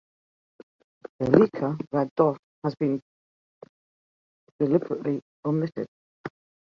The Leica "red dot" has been deliberately omitted.